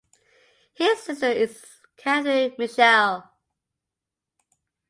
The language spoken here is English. His sister is Catherine Mitchell.